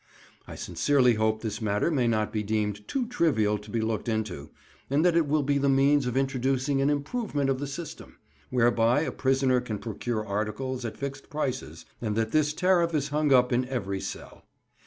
I sincerely hope this matter may not be deemed too trivial to be looked into, and that it will be the means of introducing an improvement of the system, whereby a prisoner can procure articles at fixed prices, and that this tariff is hung up in every cell.